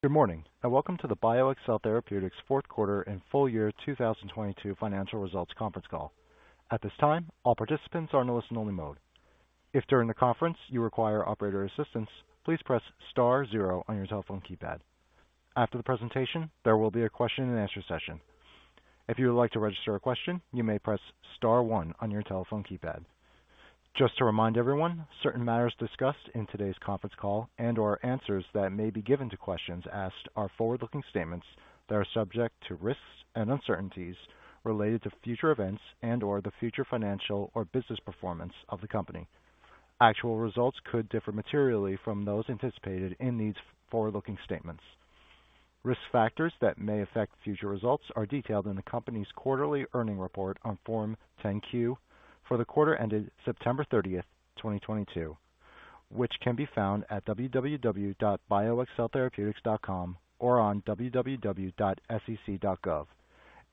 Good morning. Welcome to the BioXcel Therapeutics Fourth Quarter and Full Year 2022 Financial Results Conference Call. At this time, all participants are in listen only mode. If during the conference you require operator assistance, please press star zero on your telephone keypad. After the presentation, there will be a question and answer session. If you would like to register a question, you may press star one on your telephone keypad. Just to remind everyone, certain matters discussed in today's conference call and/or answers that may be given to questions asked are forward-looking statements that are subject to risks and uncertainties related to future events and/or the future financial or business performance of the company. Actual results could differ materially from those anticipated in these forward-looking statements. Risk factors that may affect future results are detailed in the company's quarterly earning report on Form 10-Q for the quarter ended September 30, 2022, which can be found at www.bioxceltherapeutics.com or on www.sec.gov,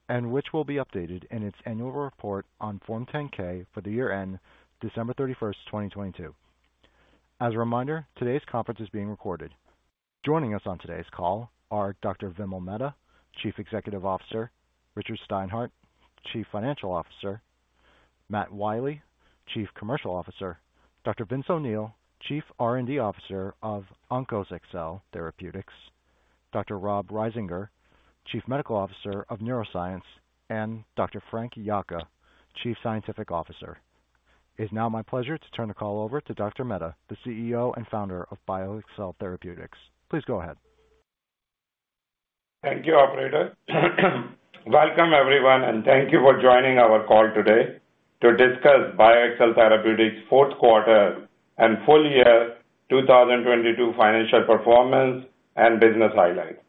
and which will be updated in its annual report on Form 10-K for the year end December 31, 2022. As a reminder, today's conference is being recorded. Joining us on today's call are Dr. Vimal Mehta, Chief Executive Officer, Richard Steinhart, Chief Financial Officer, Matt Wiley, Chief Commercial Officer, Dr. Vincent O'Neill, Chief R&D Officer of OnkosXcel Therapeutics, Dr. Rob Risinger, Chief Medical Officer of Neuroscience, and Dr. Frank Yocca, Chief Scientific Officer. It's now my pleasure to turn the call over to Dr. Mehta, the CEO and founder of BioXcel Therapeutics. Please go ahead. Thank you, operator. Welcome, everyone, thank you for joining our call today to discuss BioXcel Therapeutics' fourth quarter and full year 2022 financial performance and business highlights.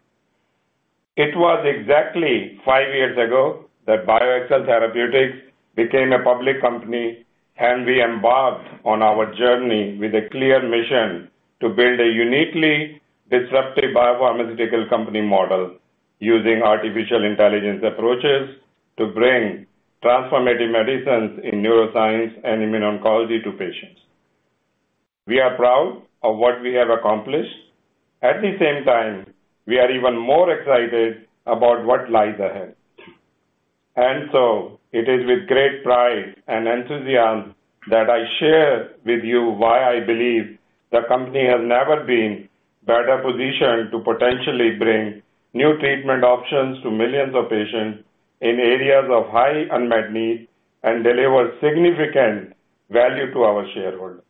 It was exactly five years ago that BioXcel Therapeutics became a public company. We embarked on our journey with a clear mission to build a uniquely disruptive biopharmaceutical company model using artificial intelligence approaches to bring transformative medicines in neuroscience and immuno-oncology to patients. We are proud of what we have accomplished. At the same time, we are even more excited about what lies ahead. It is with great pride and enthusiasm that I share with you why I believe the company has never been better positioned to potentially bring new treatment options to millions of patients in areas of high unmet need and deliver significant value to our shareholders.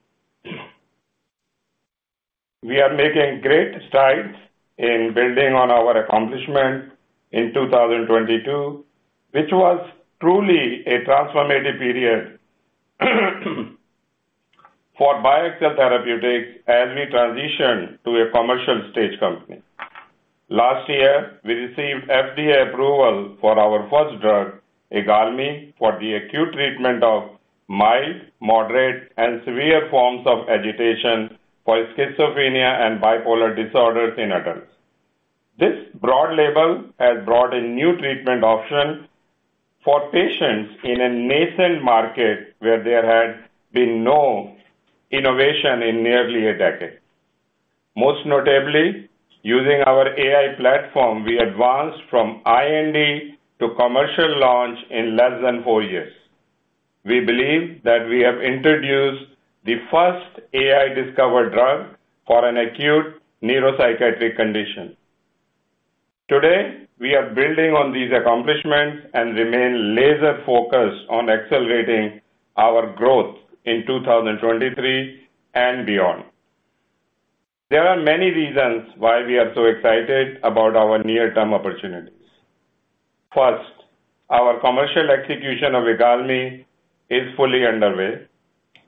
We are making great strides in building on our accomplishment in 2022, which was truly a transformative period for BioXcel Therapeutics as we transition to a commercial stage company. Last year, we received FDA approval for our first drug, IGALMI, for the acute treatment of mild, moderate, and severe forms of agitation for schizophrenia and bipolar disorders in adults. This broad label has brought a new treatment option for patients in a nascent market where there had been no innovation in nearly a decade. Most notably, using our AI platform, we advanced from IND to commercial launch in less than four years. We believe that we have introduced the first AI discovered drug for an acute neuropsychiatric condition. Today, we are building on these accomplishments and remain laser focused on accelerating our growth in 2023 and beyond. There are many reasons why we are so excited about our near-term opportunities. First, our commercial execution of IGALMI is fully underway.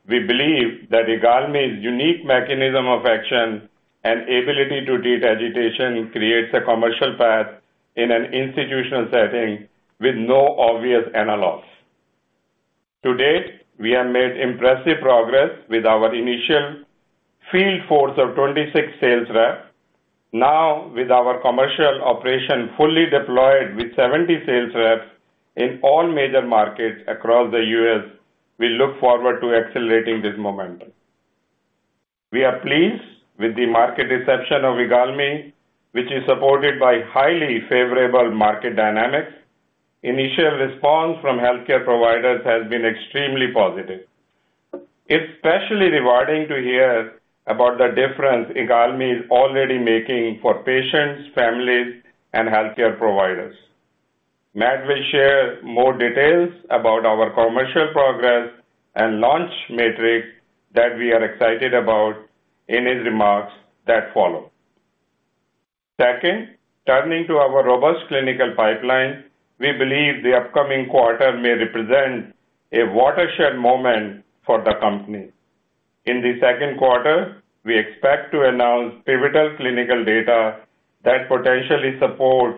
We believe that IGALMI's unique mechanism of action and ability to treat agitation creates a commercial path in an institutional setting with no obvious analogs. To date, we have made impressive progress with our initial field force of 26 sales reps. Now, with our commercial operation fully deployed with 70 sales reps in all major markets across the U.S., we look forward to accelerating this momentum. We are pleased with the market reception of IGALMI, which is supported by highly favorable market dynamics. Initial response from healthcare providers has been extremely positive. It's especially rewarding to hear about the difference IGALMI is already making for patients, families, and healthcare providers. Matt will share more details about our commercial progress and launch metrics that we are excited about in his remarks that follow. Turning to our robust clinical pipeline, we believe the upcoming quarter may represent a watershed moment for the company. In the second quarter, we expect to announce pivotal clinical data that potentially support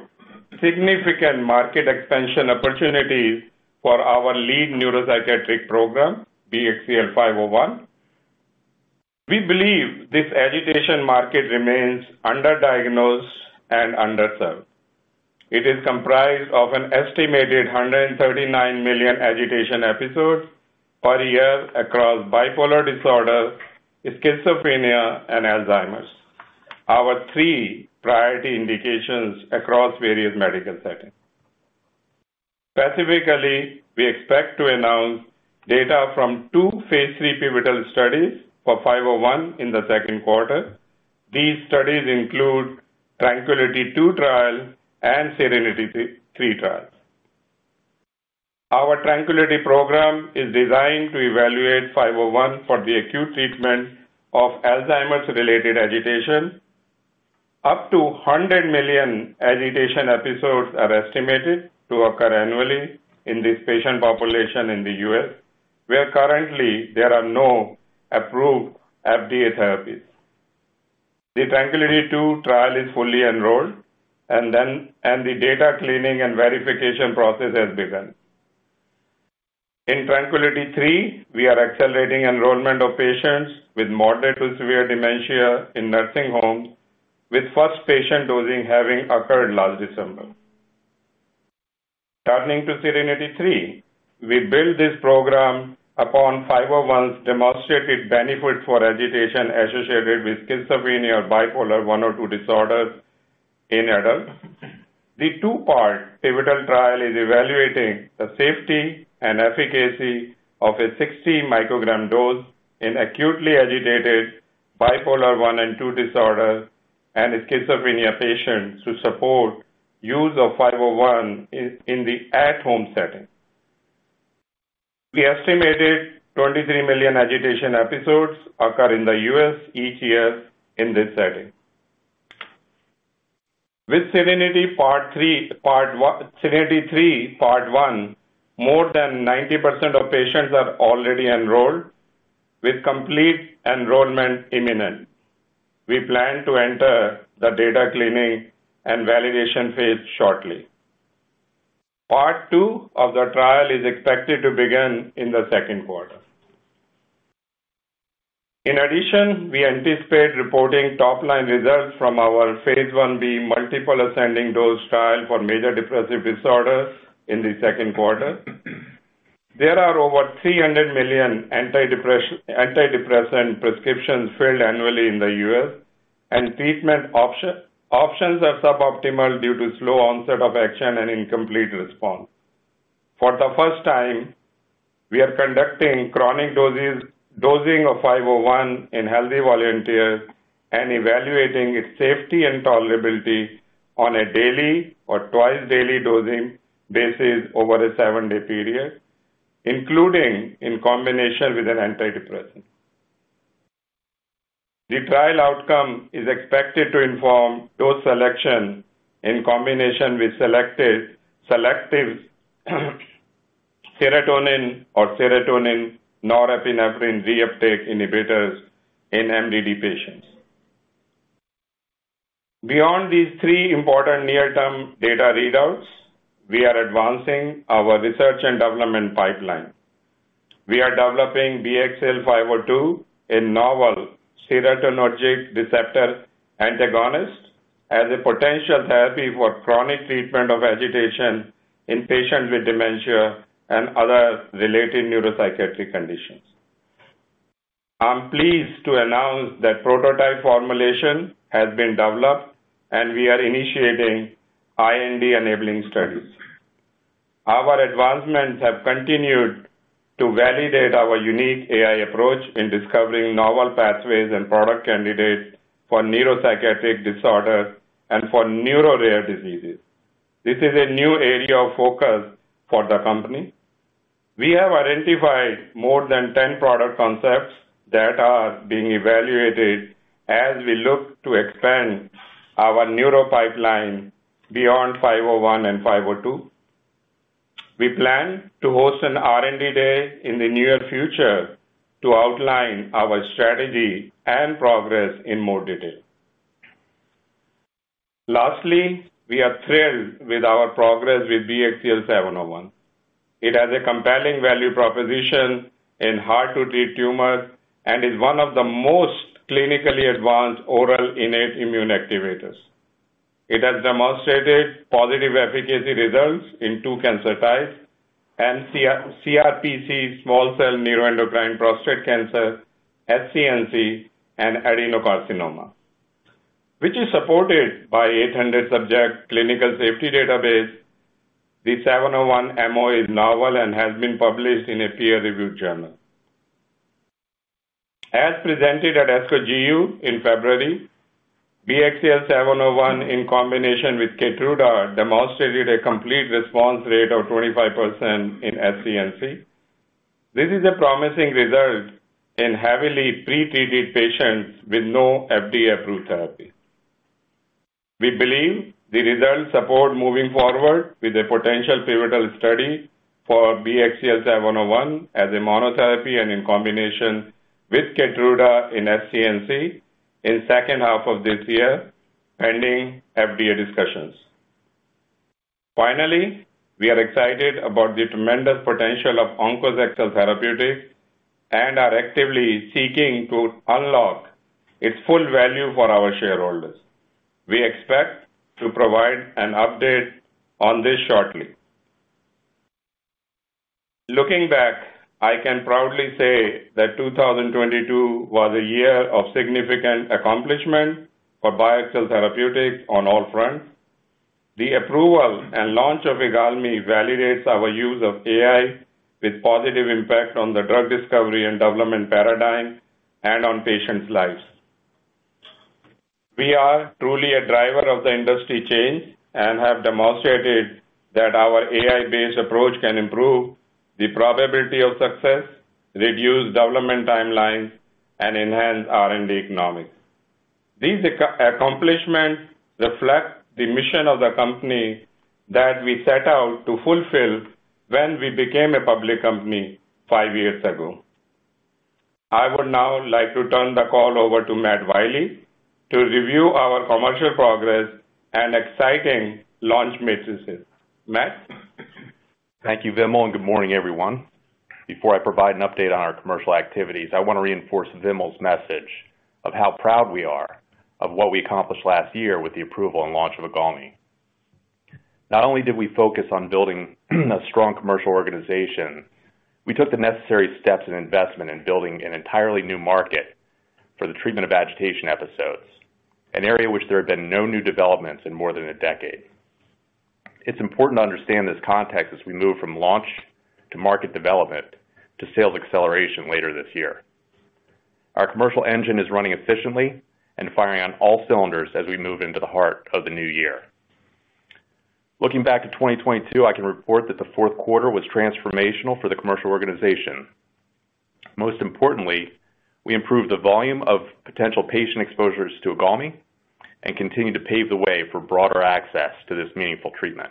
significant market expansion opportunities for our lead neuropsychiatric program, BXCL501. We believe this agitation market remains underdiagnosed and underserved. It is comprised of an estimated $139 million agitation episodes per year across bipolar disorder, schizophrenia, and Alzheimer's, our three priority indications across various medical settings. We expect to announce data from two phase III pivotal studies for BXCL501 in the second quarter. These studies include TRANQUILITY II and SERENITY III. Our TRANQUILITY program is designed to evaluate BXCL501 for the acute treatment of Alzheimer's-related agitation. Up to 100 million agitation episodes are estimated to occur annually in this patient population in the U.S., where currently there are no approved FDA therapies. The TRANQUILITY II trial is fully enrolled, and the data cleaning and verification process has begun. In TRANQUILITY III, we are accelerating enrollment of patients with moderate to severe dementia in nursing homes, with first patient dosing having occurred last December. Turning to SERENITY III, we built this program upon BXCL501's demonstrated benefit for agitation associated with schizophrenia or bipolar 1 or 2 disorders in adults. The 2-part pivotal trial is evaluating the safety and efficacy of a 60-microgram dose in acutely agitated bipolar 1 and 2 disorder and schizophrenia patients to support use of BXCL501 in the at-home setting. We estimated 23 million agitation episodes occur in the U.S. each year in this setting. With SERENITY III Part 1, more than 90% of patients are already enrolled with complete enrollment imminent. We plan to enter the data cleaning and validation phase shortly. Part 2 of the trial is expected to begin in the second quarter. In addition, we anticipate reporting top-line results from our Phase I-B multiple ascending dose trial for major depressive disorders in the second quarter. There are over 300 million antidepressant prescriptions filled annually in the U.S., and treatment options are suboptimal due to slow onset of action and incomplete response. For the first time, we are conducting chronic dosing of 501 in healthy volunteers and evaluating its safety and tolerability on a daily or twice-daily dosing basis over a seven-day period, including in combination with an antidepressant. The trial outcome is expected to inform dose selection in combination with selective serotonin or serotonin-norepinephrine reuptake inhibitors in MDD patients. Beyond these three important near-term data readouts, we are advancing our research and development pipeline. We are developing BXCL502, a novel serotonergic receptor antagonist, as a potential therapy for chronic treatment of agitation in patients with dementia and other related neuropsychiatric conditions. I'm pleased to announce that prototype formulation has been developed, and we are initiating IND-enabling studies. Our advancements have continued to validate our unique AI approach in discovering novel pathways and product candidates for neuropsychiatric disorders and for neuro rare diseases. This is a new area of focus for the company. We have identified more than 10 product concepts that are being evaluated as we look to expand our neuro pipeline beyond BXCL501 and BXCL502. We plan to host an R&D Day in the near future to outline our strategy and progress in more detail. Lastly, we are thrilled with our progress with BXCL701. It has a compelling value proposition in hard-to-treat tumors and is one of the most clinically advanced oral innate immune activators. It has demonstrated positive efficacy results in two cancer types, CRPC, small cell neuroendocrine prostate cancer, SCNC, and adenocarcinoma, which is supported by an 800-subject clinical safety database. The 701 MO is novel and has been published in a peer-reviewed journal. As presented at ASCO GU in February, BXCL701 in combination with KEYTRUDA demonstrated a complete response rate of 25% in SCNC. This is a promising result in heavily pretreated patients with no FDA-approved therapy. We believe the results support moving forward with a potential pivotal study for BXCL701 as a monotherapy and in combination with KEYTRUDA in SCNC in second half of this year, pending FDA discussions. Finally, we are excited about the tremendous potential of OnkosXcel Therapeutics and are actively seeking to unlock its full value for our shareholders. We expect to provide an update on this shortly. Looking back, I can proudly say that 2022 was a year of significant accomplishment for BioXcel Therapeutics on all fronts. The approval and launch of IGALMI validates our use of AI with positive impact on the drug discovery and development paradigm and on patients' lives. We are truly a driver of the industry change and have demonstrated that our AI-based approach can improve the probability of success, reduce development timelines, and enhance R&D economics. These accomplishments reflect the mission of the company that we set out to fulfill when we became a public company five years ago. I would now like to turn the call over to Matt Wiley to review our commercial progress and exciting launch matrices. Matt? Thank you, Vimal. Good morning, everyone. Before I provide an update on our commercial activities, I wanna reinforce Vimal's message of how proud we are of what we accomplished last year with the approval and launch of IGALMI. Not only did we focus on building a strong commercial organization, we took the necessary steps and investment in building an entirely new market for the treatment of agitation episodes, an area which there have been no new developments in more than a decade. It's important to understand this context as we move from launch to market development to sales acceleration later this year. Our commercial engine is running efficiently and firing on all cylinders as we move into the heart of the new year. Looking back at 2022, I can report that the fourth quarter was transformational for the commercial organization. Most importantly, we improved the volume of potential patient exposures to IGALMI and continue to pave the way for broader access to this meaningful treatment.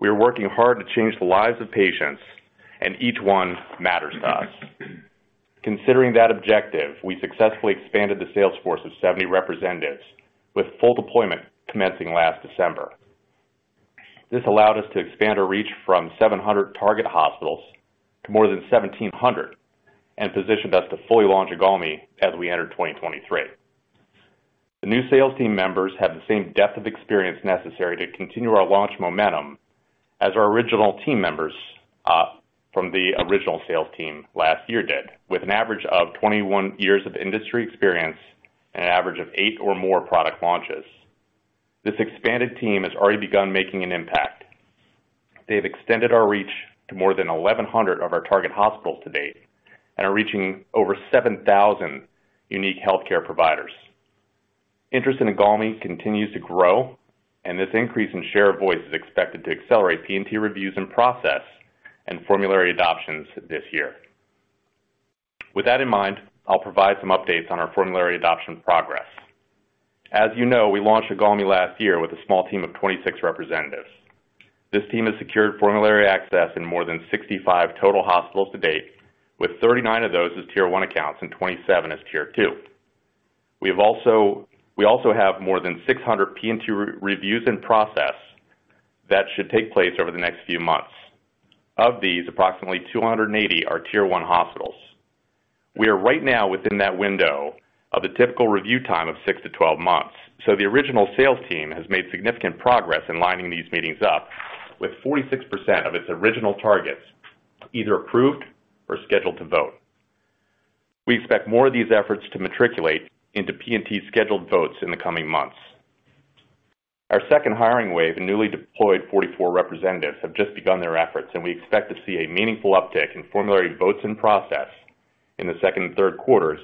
We are working hard to change the lives of patients, and each one matters to us. Considering that objective, we successfully expanded the sales force of 70 representatives with full deployment commencing last December. This allowed us to expand our reach from 700 target hospitals to more than 1,700 and positioned us to fully launch IGALMI as we entered 2023. The new sales team members have the same depth of experience necessary to continue our launch momentum as our original team members from the original sales team last year did, with an average of 21 years of industry experience and an average of eight or more product launches. This expanded team has already begun making an impact. They have extended our reach to more than 1,100 of our target hospitals to date and are reaching over 7,000 unique healthcare providers. Interest in IGALMI continues to grow, and this increase in share of voice is expected to accelerate P&T reviews and process and formulary adoptions this year. With that in mind, I'll provide some updates on our formulary adoption progress. As you know, we launched IGALMI last year with a small team of 26 representatives. This team has secured formulary access in more than 65 total hospitals to date, with 39 of those as Tier I accounts and 27 as Tier II. We also have more than 600 P&T re-reviews in process that should take place over the next few months. Of these, approximately 280 are Tier I hospitals. We are right now within that window of the typical review time of six to 12 months. The original sales team has made significant progress in lining these meetings up with 46% of its original targets either approved or scheduled to vote. We expect more of these efforts to matriculate into P&T scheduled votes in the coming months. Our second hiring wave and newly deployed 44 representatives have just begun their efforts, and we expect to see a meaningful uptick in formulary votes in process in the second and third quarters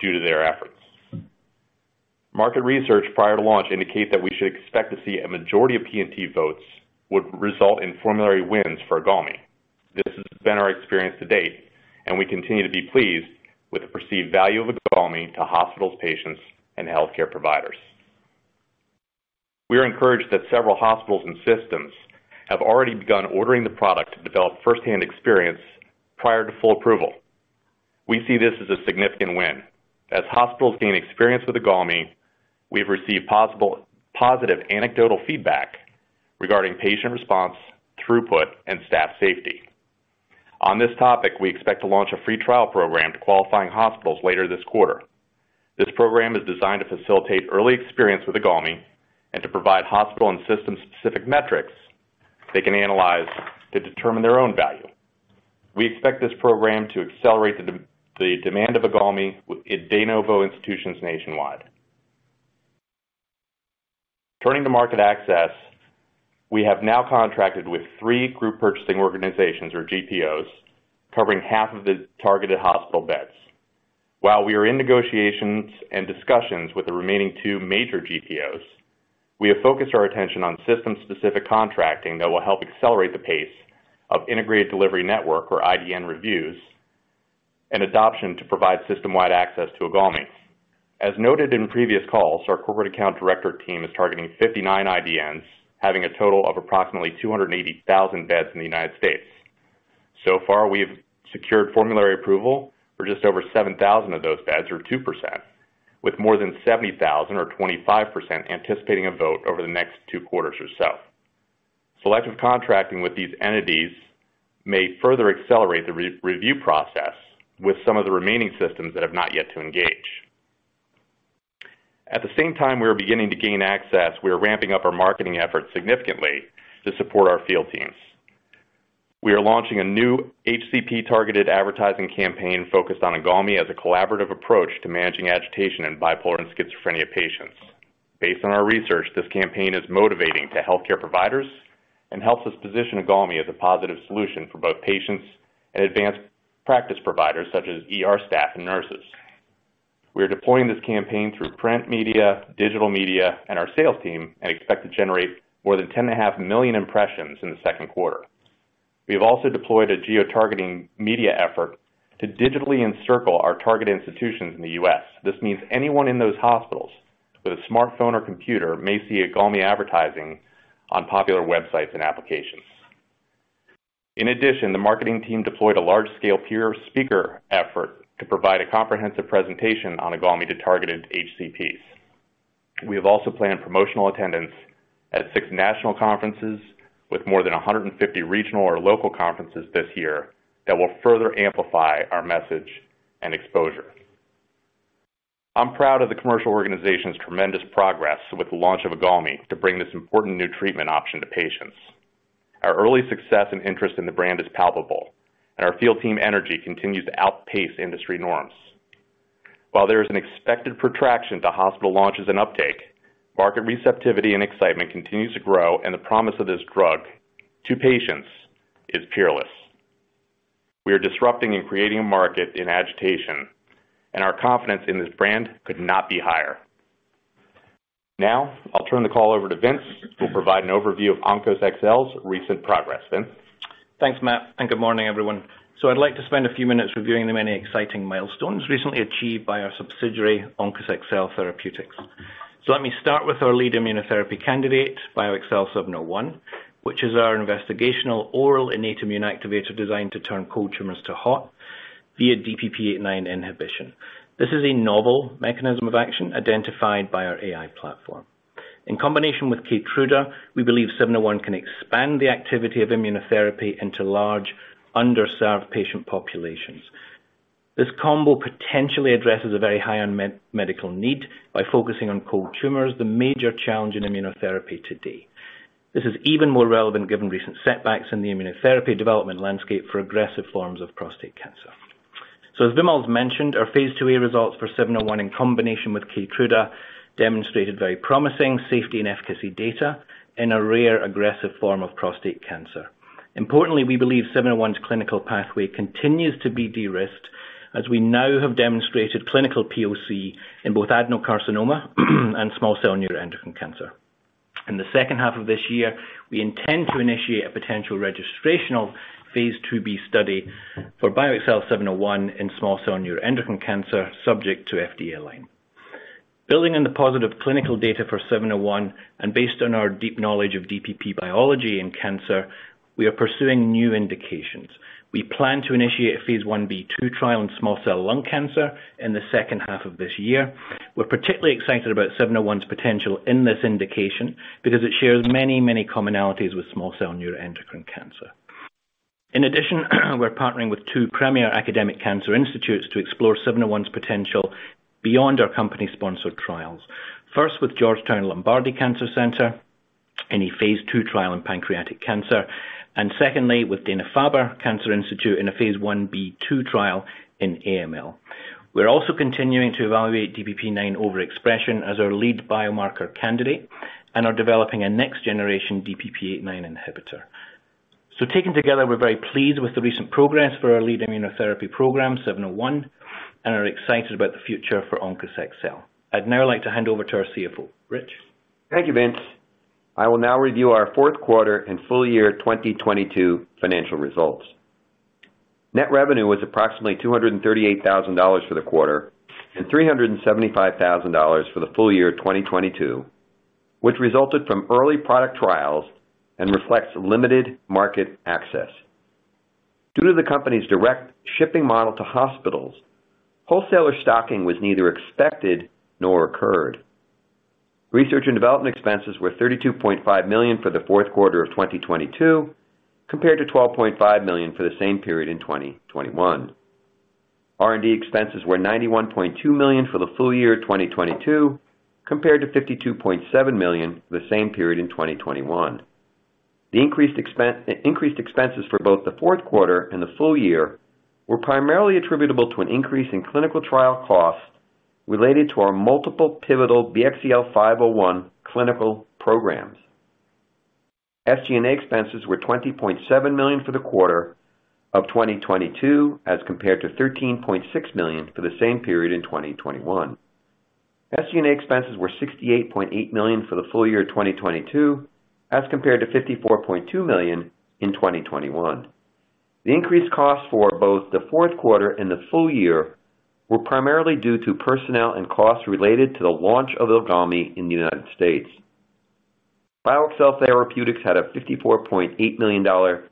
due to their efforts. Market research prior to launch indicate that we should expect to see a majority of P&T votes would result in formulary wins for IGALMI. This has been our experience to date, and we continue to be pleased with the perceived value of IGALMI to hospitals, patients, and healthcare providers. We are encouraged that several hospitals and systems have already begun ordering the product to develop first-hand experience prior to full approval. We see this as a significant win. As hospitals gain experience with IGALMI, we've received positive anecdotal feedback regarding patient response, throughput, and staff safety. On this topic, we expect to launch a free trial program to qualifying hospitals later this quarter. This program is designed to facilitate early experience with IGALMI and to provide hospital and system-specific metrics they can analyze to determine their own value. We expect this program to accelerate the demand of IGALMI in de novo institutions nationwide. Turning to market access, we have now contracted with three group purchasing organizations, or GPOs, covering half of the targeted hospital beds. While we are in negotiations and discussions with the remaining two major GPOs, we have focused our attention on system-specific contracting that will help accelerate the pace of integrated delivery network or IDN reviews and adoption to provide system-wide access to IGALMI. As noted in previous calls, our corporate account director team is targeting 59 IDNs, having a total of approximately 280,000 beds in the United States. So far, we have secured formulary approval for just over 7,000 of those beds, or 2%, with more than 70,000, or 25%, anticipating a vote over the next two quarters or so. Selective contracting with these entities may further accelerate the re-review process with some of the remaining systems that have not yet to engage. At the same time we are beginning to gain access, we are ramping up our marketing efforts significantly to support our field teams. We are launching a new HCP targeted advertising campaign focused on IGALMI as a collaborative approach to managing agitation in bipolar and schizophrenia patients. Based on our research, this campaign is motivating to healthcare providers and helps us position IGALMI as a positive solution for both patients and advanced practice providers such as ER staff and nurses. We are deploying this campaign through print media, digital media, and our sales team, and expect to generate more than ten and a half million impressions in the second quarter. We have also deployed a geotargeting media effort to digitally encircle our target institutions in the U.S. This means anyone in those hospitals with a smartphone or computer may see IGALMI advertising on popular websites and applications. In addition, the marketing team deployed a large-scale peer speaker effort to provide a comprehensive presentation on IGALMI to targeted HCPs. We have also planned promotional attendance at six national conferences with more than 150 regional or local conferences this year that will further amplify our message and exposure. I'm proud of the commercial organization's tremendous progress with the launch of IGALMI to bring this important new treatment option to patients. Our early success and interest in the brand is palpable, and our field team energy continues to outpace industry norms. While there is an expected protraction to hospital launches and uptake, market receptivity and excitement continues to grow and the promise of this drug to patients is peerless. We are disrupting and creating a market in agitation, and our confidence in this brand could not be higher. Now, I'll turn the call over to Vince, who'll provide an overview of OnkosXcel's recent progress. Vince. Thanks, Matt. Good morning, everyone. I'd like to spend a few minutes reviewing the many exciting milestones recently achieved by our subsidiary, OnkosXcel Therapeutics. Let me start with our lead immunotherapy candidate, BioXcel 701, which is our investigational oral innate immune activator designed to turn cold tumors to hot via DPP8/9 inhibition. This is a novel mechanism of action identified by our AI platform. In combination with KEYTRUDA, we believe 701 can expand the activity of immunotherapy into large, underserved patient populations. This combo potentially addresses a very high unmet medical need by focusing on cold tumors, the major challenge in immunotherapy today. This is even more relevant given recent setbacks in the immunotherapy development landscape for aggressive forms of prostate cancer. As Vimal's mentioned, our phase II-A results for seven oh one in combination with KEYTRUDA demonstrated very promising safety and efficacy data in a rare aggressive form of prostate cancer. Importantly, we believe seven oh one's clinical pathway continues to be de-risked as we now have demonstrated clinical POC in both adenocarcinoma and small cell neuroendocrine cancer. In the second half of this year, we intend to initiate a potential registrational phase II-B study for BioXcel seven oh one in small cell neuroendocrine cancer subject to FDA align. Building on the positive clinical data for seven oh one and based on our deep knowledge of DPP biology in cancer, we are pursuing new indications. We plan to initiate a phase I-B/II trial in small cell lung cancer in the second half of this year. We're particularly excited about BXCL701's potential in this indication because it shares many commonalities with small cell neuroendocrine cancer. In addition, we're partnering with two premier academic cancer institutes to explore BXCL701's potential beyond our company-sponsored trials. First with Georgetown Lombardi Comprehensive Cancer Center in a phase II trial in pancreatic cancer, and secondly with Dana-Farber Cancer Institute in a phase 1-B/II trial in AML. We're also continuing to evaluate DPP9 overexpression as our lead biomarker candidate and are developing a next generation DPP8/9 inhibitor. Taken together, we're very pleased with the recent progress for our lead immunotherapy program, BXCL701, and are excited about the future for OnkosXcel. I'd now like to hand over to our CFO, Rich. Thank you, Vince. I will now review our fourth quarter and full year 2022 financial results. Net revenue was approximately $238,000 for the quarter and $375,000 for the full year 2022, which resulted from early product trials and reflects limited market access. Due to the company's direct shipping model to hospitals, wholesaler stocking was neither expected nor occurred. Research and development expenses were $32.5 million for the fourth quarter of 2022, compared to $12.5 million for the same period in 2021. R&D expenses were $91.2 million for the full year 2022, compared to $52.7 million the same period in 2021. The increased expenses for both the fourth quarter and the full year were primarily attributable to an increase in clinical trial costs related to our multiple pivotal BXCL501 clinical programs. SG&A expenses were $20.7 million for the quarter of 2022, as compared to $13.6 million for the same period in 2021. SG&A expenses were $68.8 million for the full year 2022, as compared to $54.2 million in 2021. The increased costs for both the fourth quarter and the full year were primarily due to personnel and costs related to the launch of IGALMI in the United States. BioXcel Therapeutics had a $54.8 million dollar,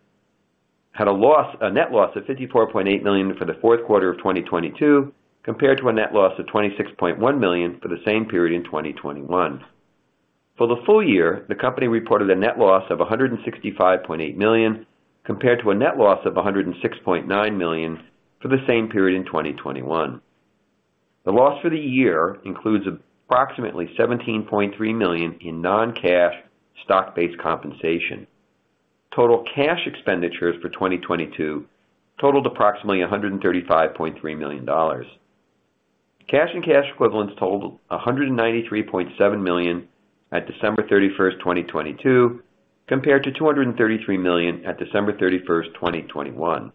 a net loss of $54.8 million for the fourth quarter of 2022 compared to a net loss of $26.1 million for the same period in 2021. For the full year, the company reported a net loss of $165.8 million compared to a net loss of $106.9 million for the same period in 2021. The loss for the year includes approximately $17.3 million in non-cash stock-based compensation. Total cash expenditures for 2022 totaled approximately $135.3 million. Cash and cash equivalents totaled $193.7 million at December 31, 2022, compared to $233 million at December 31, 2021.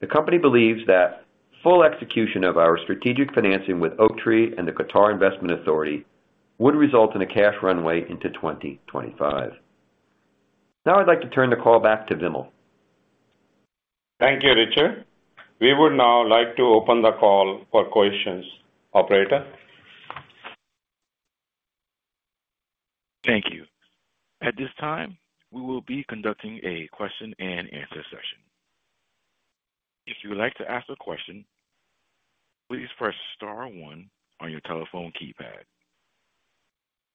The company believes that full execution of our strategic financing with Oaktree and the Qatar Investment Authority would result in a cash runway into 2025. I'd like to turn the call back to Vimal. Thank you, Richard. We would now like to open the call for questions. Operator? Thank you. At this time, we will be conducting a question and answer session. If you would like to ask a question, please press star one on your telephone keypad.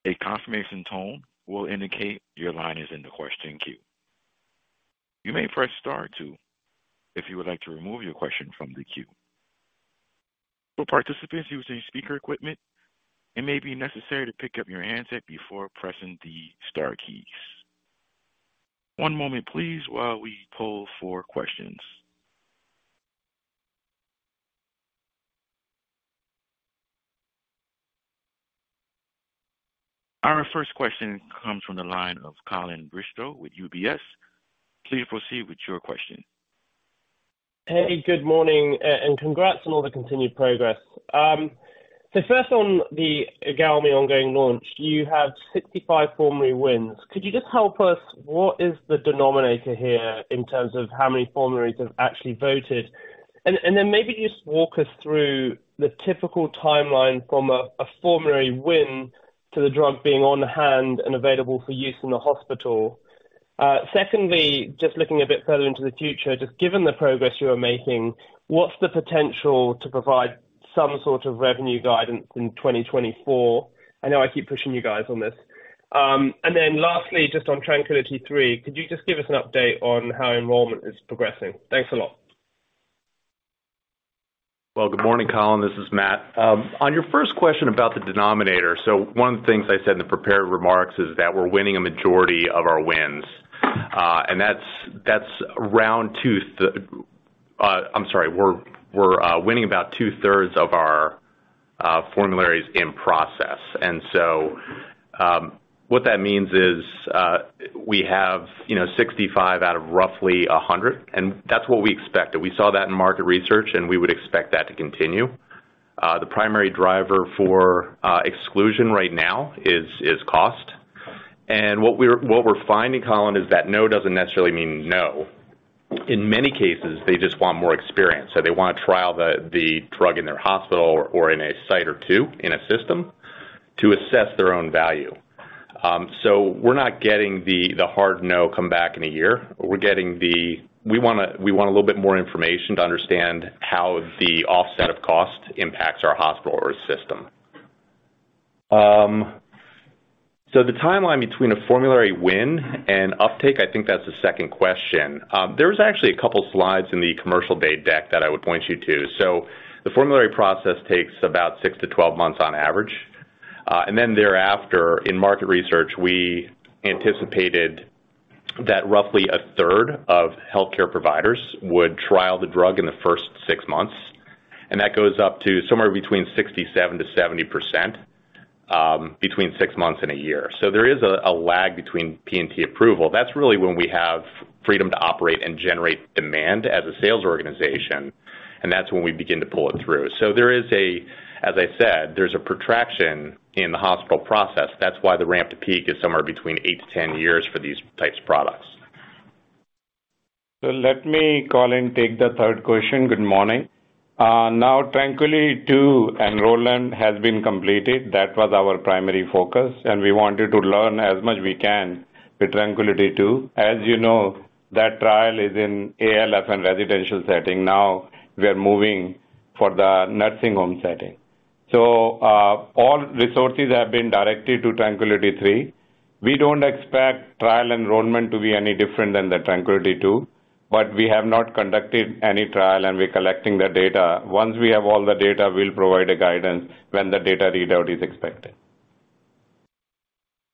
A confirmation tone will indicate your line is in the question queue. You may press star two if you would like to remove your question from the queue. For participants using speaker equipment, it may be necessary to pick up your handset before pressing the star keys. One moment please while we poll for questions. Our first question comes from the line of Colin Bristow with UBS. Please proceed with your question. Hey, good morning, congrats on all the continued progress. First on the IGALMI ongoing launch, you have 65 formulary wins. Could you just help us, what is the denominator here in terms of how many formularies have actually voted? Then maybe just walk us through the typical timeline from a formulary win to the drug being on hand and available for use in the hospital. Secondly, just looking a bit further into the future, just given the progress you are making, what's the potential to provide some sort of revenue guidance in 2024? I know I keep pushing you guys on this. Lastly, just on TRANQUILITY III, could you just give us an update on how enrollment is progressing? Thanks a lot. Well, good morning, Colin. This is Matt. On your first question about the denominator, one of the things I said in the prepared remarks is that we're winning a majority of our wins, and that's around two-thirds. I'm sorry. We're winning about two-thirds of our formularies in process. What that means is, we have, you know, 65 out of roughly 100, and that's what we expected. We saw that in market research, and we would expect that to continue. The primary driver for exclusion right now is cost. What we're finding, Colin, is that no doesn't necessarily mean no. In many cases, they just want more experience. They want to trial the drug in their hospital or in a site or two in a system to assess their own value. We're not getting the hard no, come back in a year. We're getting the, we want a little bit more information to understand how the offset of cost impacts our hospital or system. The timeline between a formulary win and uptake, I think that's the second question. There's actually a couple slides in the commercial day deck that I would point you to. The formulary process takes about 6-12 months on average. Thereafter, in market research, we anticipated that roughly a third of healthcare providers would trial the drug in the first six months. That goes up to somewhere between 67%-70% between six months and one year. There is a lag between P&T approval. That's really when we have freedom to operate and generate demand as a sales organization, and that's when we begin to pull it through. There is a, as I said, there's a protraction in the hospital process. That's why the ramp to peak is somewhere between 8-10 years for these types of products. Let me, Colin, take the third question. Good morning. Now TRANQUILITY II enrollment has been completed. That was our primary focus, and we wanted to learn as much we can with TRANQUILITY II. As you know, that trial is in ALF and residential setting. Now we are moving for the nursing home setting. All resources have been directed to TRANQUILITY III. We don't expect trial enrollment to be any different than the TRANQUILITY II, but we have not conducted any trial, and we're collecting the data. Once we have all the data, we'll provide a guidance when the data readout is expected.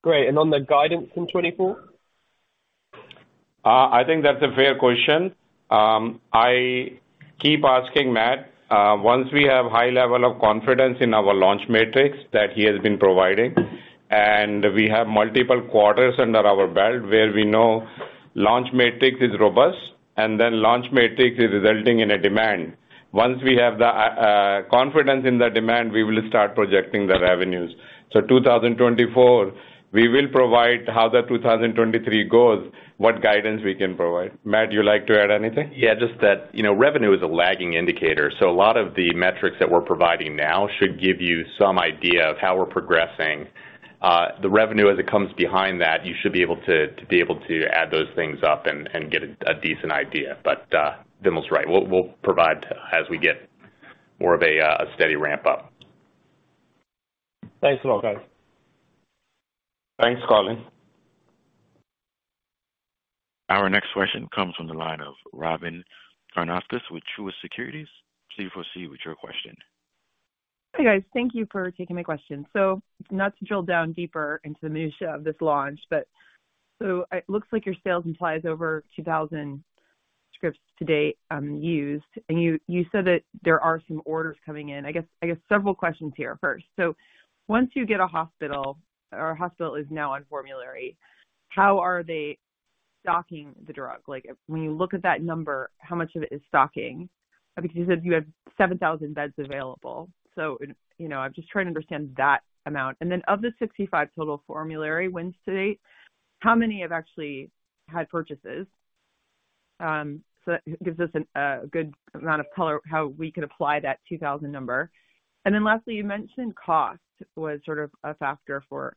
Great. On the guidance in 2024? I think that's a fair question. I keep asking Matt, once we have high level of confidence in our launch metrics that he has been providing, and we have multiple quarters under our belt where we know launch metrics is robust, and then launch metrics is resulting in a demand. Once we have the confidence in the demand, we will start projecting the revenues. 2024, we will provide how the 2023 goes, what guidance we can provide. Matt, you like to add anything? Yeah, just that, you know, revenue is a lagging indicator. A lot of the metrics that we're providing now should give you some idea of how we're progressing. The revenue as it comes behind that, you should be able to add those things up and get a decent idea. Vimal's right. We'll provide as we get more of a steady ramp up. Thanks a lot, guys. Thanks, Colin. Our next question comes from the line of Robyn Karnauskas with Truist Securities. Please proceed with your question. Hey, guys. Thank you for taking my question. Not to drill down deeper into the minutia of this launch, but it looks like your sales implies over 2,000 scripts to date, used, and you said that there are some orders coming in. I guess several questions here first. Once you get a hospital or a hospital is now on formulary, how are they stocking the drug? Like if, when you look at that number, how much of it is stocking? Because you said you have 7,000 beds available. You know, I'm just trying to understand that amount. And then of the 65 total formulary wins to date, how many have actually had purchases? That gives us a good amount of color how we could apply that 2,000 number. Lastly, you mentioned cost was sort of a factor for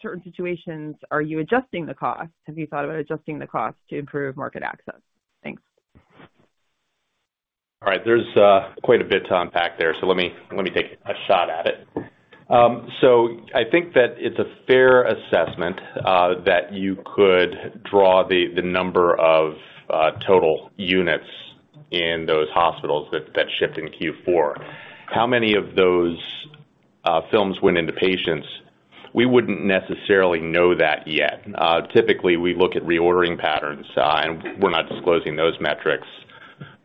certain situations, are you adjusting the cost? Have you thought about adjusting the cost to improve market access? Thanks. All right. There's quite a bit to unpack there, so let me take a shot at it. I think that it's a fair assessment that you could draw the number of total units in those hospitals that shipped in Q4. How many of those films went into patients? We wouldn't necessarily know that yet. Typically, we look at reordering patterns, and we're not disclosing those metrics,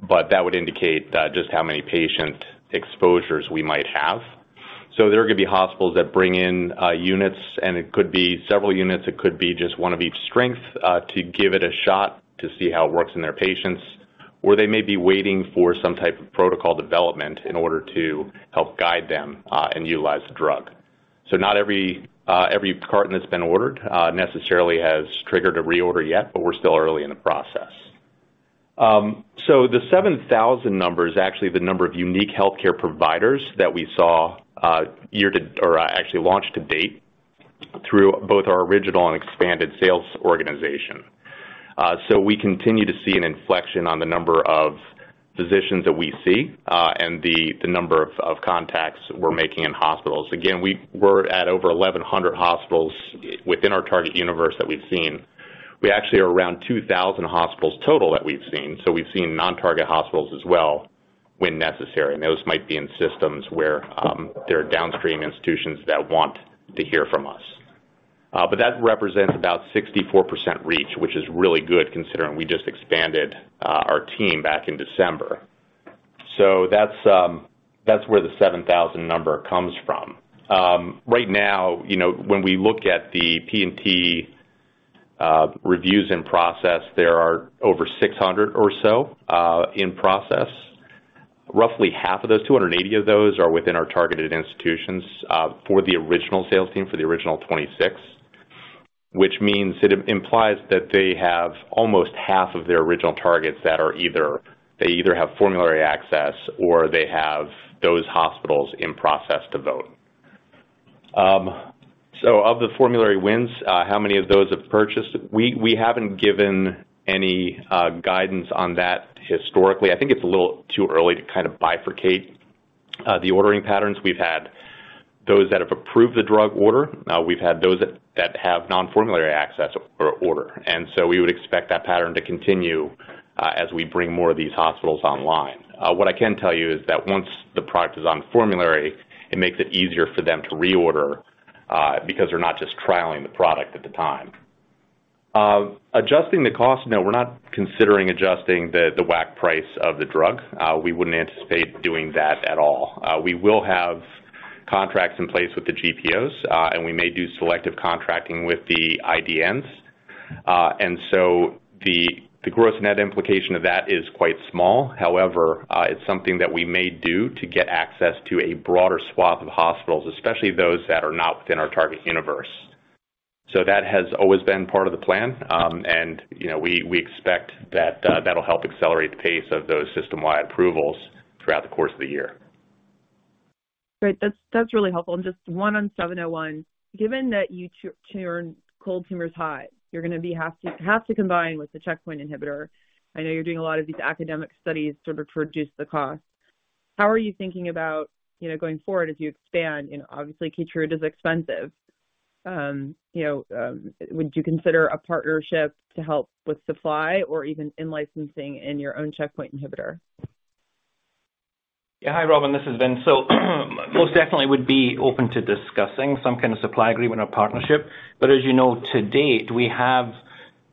but that would indicate just how many patient exposures we might have. There are gonna be hospitals that bring in units, and it could be several units, it could be just one of each strength to give it a shot to see how it works in their patients. They may be waiting for some type of protocol development in order to help guide them and utilize the drug. Not every carton that's been ordered necessarily has triggered a reorder yet, but we're still early in the process. The 7,000 number is actually the number of unique healthcare providers that we saw year to or actually launched to date through both our original and expanded sales organization. We continue to see an inflection on the number of physicians that we see and the number of contacts we're making in hospitals. Again, we're at over 1,100 hospitals within our target universe that we've seen. We actually are around 2,000 hospitals total that we've seen. We've seen non-target hospitals as well when necessary. Those might be in systems where there are downstream institutions that want to hear from us. That represents about 64% reach, which is really good considering we just expanded our team back in December. That's where the 7,000 number comes from. Right now, you know, when we look at the P&T reviews in process, there are over 600 or so in process. Roughly half of those, 280 of those are within our targeted institutions for the original sales team, for the original 26. Which means it implies that they have almost half of their original targets that are either they have formulary access or they have those hospitals in process to vote. Of the formulary wins, how many of those have purchased? We haven't given any guidance on that historically. I think it's a little too early to kind of bifurcate the ordering patterns. We've had those that have approved the drug order. We've had those that have non-formulary access or order. We would expect that pattern to continue as we bring more of these hospitals online. What I can tell you is that once the product is on formulary, it makes it easier for them to reorder because they're not just trialing the product at the time. Adjusting the cost. No, we're not considering adjusting the WAC price of the drug. We wouldn't anticipate doing that at all. We will have contracts in place with the GPOs. We may do selective contracting with the IDNs. The, the gross net implication of that is quite small. However, it's something that we may do to get access to a broader swath of hospitals, especially those that are not within our target universe. That has always been part of the plan. You know, we expect that'll help accelerate the pace of those system-wide approvals throughout the course of the year. Great. That's really helpful. Just one on 701. Given that you tune cold tumors high, you're gonna have to combine with the checkpoint inhibitor. I know you're doing a lot of these academic studies to reduce the cost. How are you thinking about, you know, going forward as you expand? You know, obviously, KEYTRUDA is expensive. You know, would you consider a partnership to help with supply or even in-licensing in your own checkpoint inhibitor? Yeah. Hi, Robyn. This is Vin. Most definitely would be open to discussing some kind of supply agreement or partnership. As you know, to date, we have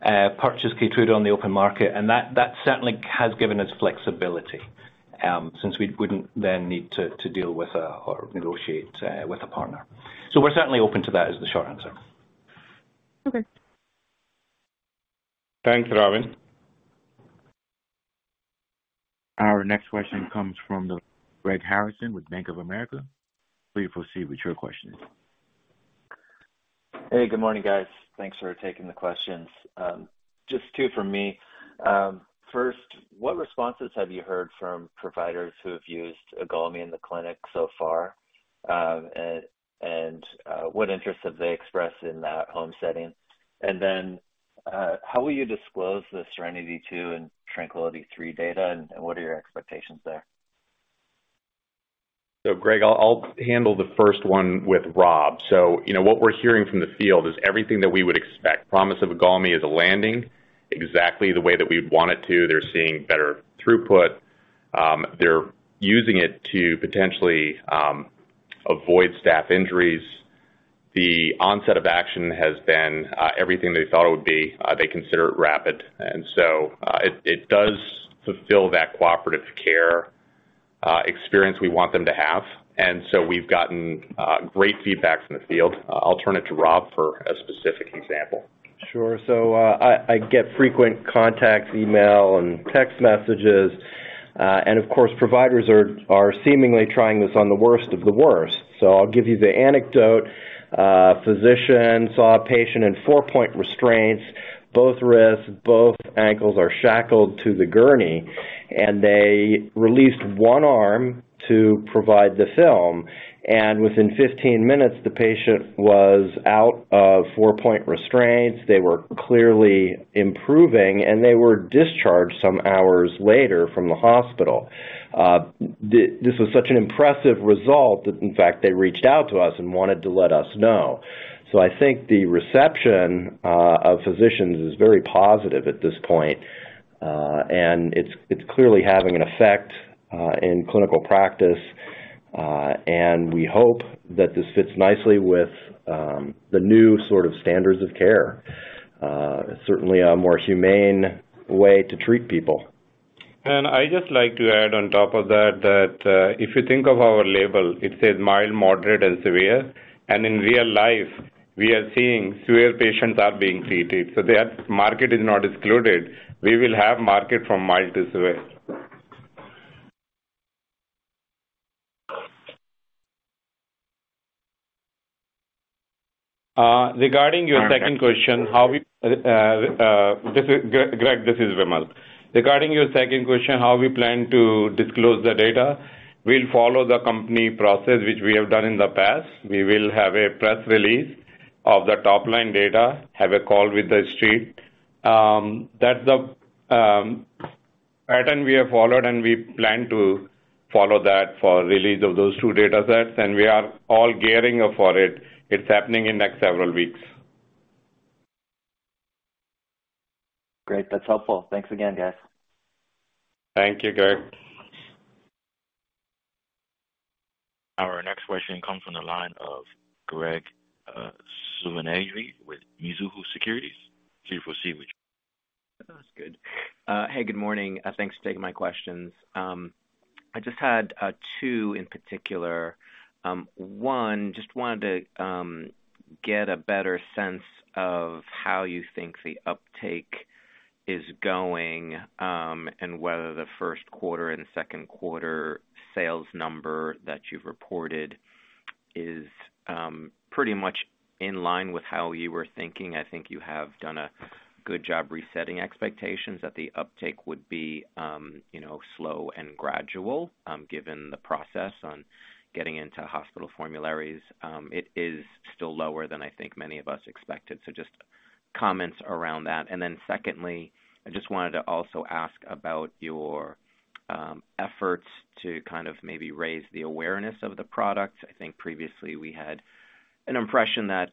purchased KEYTRUDA on the open market, and that certainly has given us flexibility since we wouldn't then need to deal with or negotiate with a partner. We're certainly open to that, is the short answer. Okay. Thanks, Robyn. Our next question comes from Greg Harrison with Bank of America. Please proceed with your questions. Hey, good morning, guys. Thanks for taking the questions. Just two from me. First, what responses have you heard from providers who have used IGALMI in the clinic so far? What interest have they expressed in that home setting? how will you disclose the SERENITY II and TRANQUILITY III data, and what are your expectations there? Greg, I'll handle the first one with Rob. You know, what we're hearing from the field is everything that we would expect. Promise of IGALMI is landing exactly the way that we'd want it to. They're seeing better throughput. They're using it to potentially, avoid staff injuries. The onset of action has been everything they thought it would be. They consider it rapid. It does fulfill that cooperative care experience we want them to have. We've gotten great feedback from the field. I'll turn it to Rob for a specific example. Sure. I get frequent contacts, email, and text messages. Of course, providers are seemingly trying this on the worst of the worst. I'll give you the anecdote. Physician saw a patient in four point restraints, both wrists, both ankles are shackled to the gurney, and they released one arm to provide the film. Within 15 minutes, the patient was out of four point restraints. They were clearly improving, and they were discharged some hours later from the hospital. This was such an impressive result that in fact, they reached out to us and wanted to let us know. I think the reception of physicians is very positive at this point. It's clearly having an effect in clinical practice. We hope that this fits nicely with the new sort of standards of care. Certainly a more humane way to treat people. I just like to add on top of that, if you think of our label, it says mild, moderate, and severe. In real life, we are seeing severe patients are being treated. That market is not excluded. We will have market from mild to severe. Regarding your second question, Greg, this is Vimal. Regarding your second question, how we plan to disclose the data, we'll follow the company process, which we have done in the past. We will have a press release of the top-line data, have a call with the street. That's the pattern we have followed, and we plan to follow that for release of those two datasets, and we are all gearing up for it. It's happening in next several weeks. Great. That's helpful. Thanks again, guys. Thank you, Greg. Our next question comes from the line of Graig Suvannavejh with Mizuho Securities. Please proceed with your question. That's good. Hey, good morning. Thanks for taking my questions. I just had two in particular. One, just wanted to get a better sense of how you think the uptake is going, and whether the first quarter and second quarter sales number that you've reported is pretty much in line with how you were thinking. I think you have done a good job resetting expectations that the uptake would be, you know, slow and gradual, given the process on getting into hospital formularies. It is still lower than I think many of us expected. Just comments around that. Secondly, I just wanted to also ask about your efforts to kind of maybe raise the awareness of the product. I think previously we had an impression that,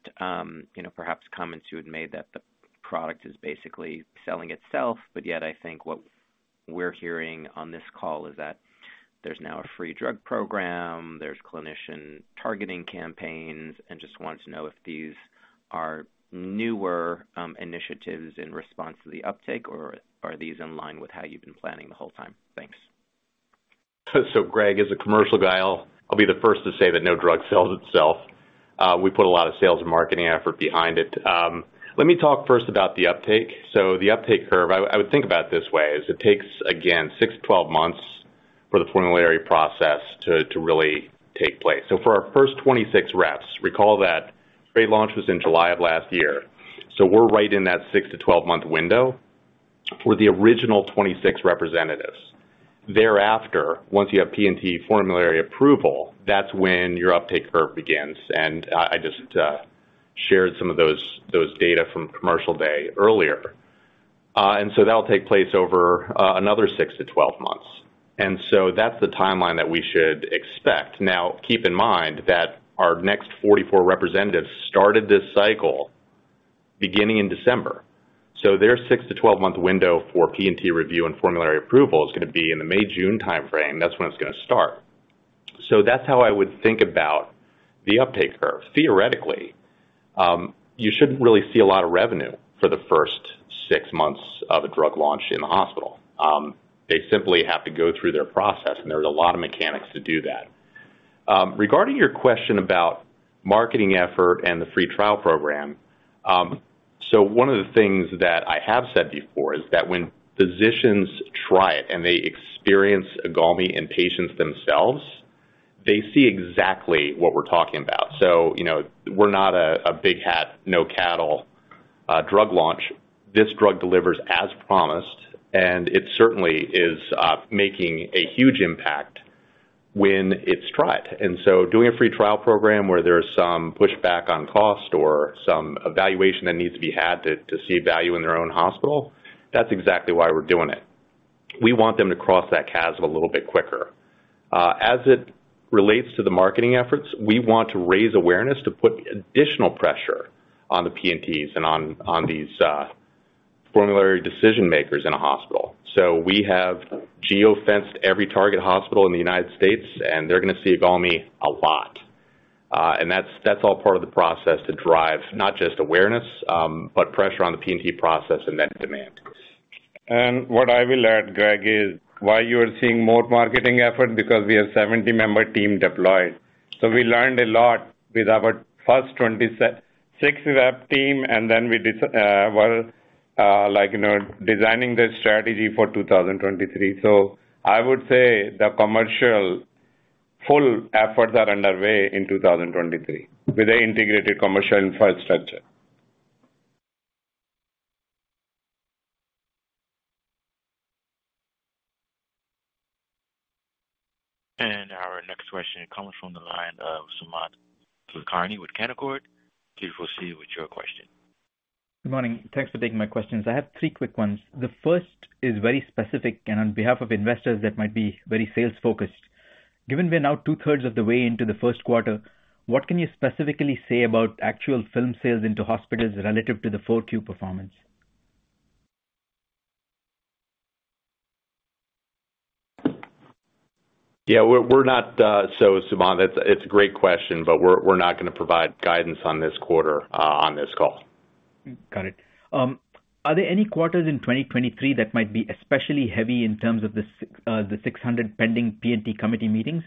you know, perhaps comments you had made that the product is basically selling itself, but yet I think what we're hearing on this call is that there's now a free drug program, there's clinician targeting campaigns, and just wanted to know if these are newer initiatives in response to the uptake or are these in line with how you've been planning the whole time? Thanks. Greg, as a commercial guy, I'll be the first to say that no drug sells itself. We put a lot of sales and marketing effort behind it. Let me talk first about the uptake. The uptake curve, I would think about it this way, is it takes, again, 6-12 months for the formulary process to really take place. For our first 26 reps, recall that trade launch was in July of last year. We're right in that 6-12 month window for the original 26 representatives. Thereafter, once you have P&T formulary approval, that's when your uptake curve begins. I just shared some of those data from commercial day earlier. That'll take place over another 6-12 months. That's the timeline that we should expect. Keep in mind that our next 44 representatives started this cycle beginning in December. Their 6 to 12-month window for P&T review and formulary approval is going to be in the May, June timeframe. That's when it's going to start. That's how I would think about the uptake curve. Theoretically, you shouldn't really see a lot of revenue for the first six months of a drug launch in the hospital. They simply have to go through their process, and there's a lot of mechanics to do that. Regarding your question about marketing effort and the free trial program, one of the things that I have said before is that when physicians try it and they experience IGALMI in patients themselves, they see exactly what we're talking about. You know, we're not a big hat, no cattle, drug launch. This drug delivers as promised, and it certainly is making a huge impact. When it's tried. Doing a free trial program where there's some pushback on cost or some evaluation that needs to be had to see value in their own hospital, that's exactly why we're doing it. We want them to cross that chasm a little bit quicker. As it relates to the marketing efforts, we want to raise awareness to put additional pressure on the P&Ts and on these formulary decision-makers in a hospital. We have geo-fenced every target hospital in the United States, and they're gonna see IGALMI a lot. And that's all part of the process to drive not just awareness, but pressure on the P&T process and then demand. What I will add, Graig, is why you are seeing more marketing effort because we have 70-member team deployed. We learned a lot with our first 26 rep team, and then we were, like, you know, designing the strategy for 2023. I would say the commercial full efforts are underway in 2023 with a integrated commercial file structure. Our next question comes from the line of Sumant Kulkarni with Canaccord. Please proceed with your question. Good morning. Thanks for taking my questions. I have three quick ones. The first is very specific and on behalf of investors that might be very sales focused. Given we're now two-thirds of the way into the first quarter, what can you specifically say about actual film sales into hospitals relative to the full queue performance? Yeah, we're not. Sumant, it's a great question, but we're not gonna provide guidance on this quarter on this call. Got it. Are there any quarters in 2023 that might be especially heavy in terms of the 600 pending P&T committee meetings?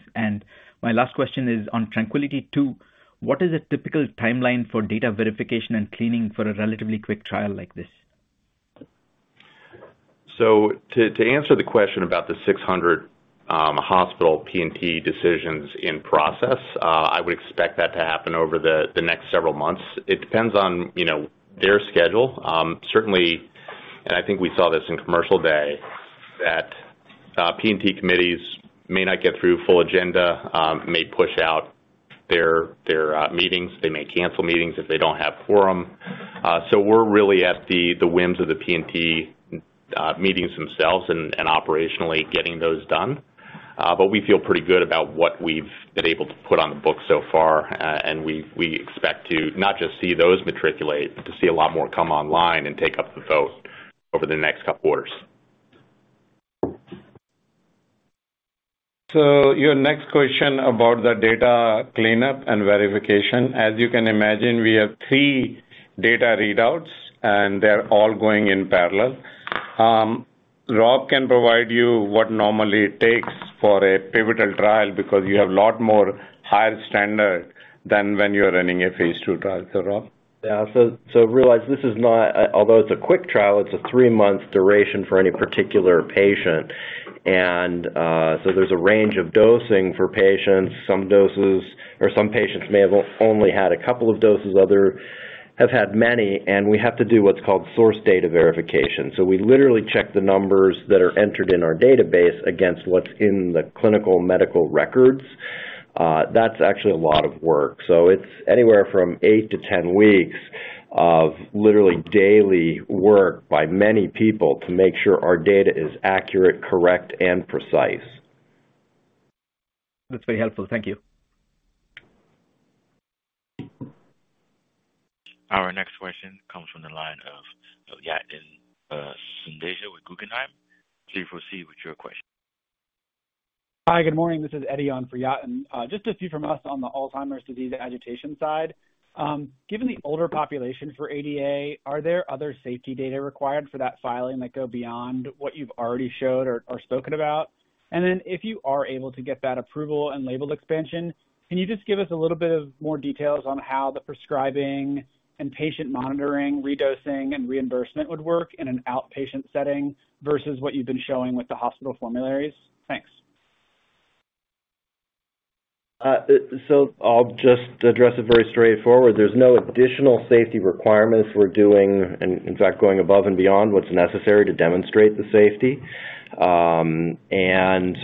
My last question is on TRANQUILITY II. What is a typical timeline for source data verification and cleaning for a relatively quick trial like this? To answer the question about the 600 hospital P&T decisions in process, I would expect that to happen over the next several months. It depends on, you know, their schedule. Certainly, I think we saw this in Commercial Day, that P&T committees may not get through full agenda, may push out their meetings. They may cancel meetings if they don't have quorum. We're really at the whims of the P&T meetings themselves and operationally getting those done. We feel pretty good about what we've been able to put on the books so far. We expect to not just see those matriculate, but to see a lot more come online and take up the vote over the next couple quarters. Your next question about the data cleanup and verification. As you can imagine, we have three data readouts, and they're all going in parallel. Rob can provide you what normally it takes for a pivotal trial because you have a lot more higher standard than when you're running a phase II trial. Rob? Yeah. realize this is not... although it's a quick trial, it's a three-month duration for any particular patient. There's a range of dosing for patients. Some doses or some patients may have only had a couple of doses, other have had many, and we have to do what's called source data verification. We literally check the numbers that are entered in our database against what's in the clinical medical records. That's actually a lot of work. It's anywhere from eight to 10 weeks of literally daily work by many people to make sure our data is accurate, correct, and precise. That's very helpful. Thank you. Our next question comes from the line of Yatin Suneja with Guggenheim. Please proceed with your question. Hi, good morning. This is Eddie on for Yatin. Just a few from us on the Alzheimer's disease agitation side. Given the older population for AAD, are there other safety data required for that filing that go beyond what you've already showed or spoken about? If you are able to get that approval and label expansion, can you just give us a little bit of more details on how the prescribing and patient monitoring, redosing, and reimbursement would work in an outpatient setting versus what you've been showing with the hospital formularies? Thanks. I'll just address it very straightforward. There's no additional safety requirements we're doing and in fact, going above and beyond what's necessary to demonstrate the safety.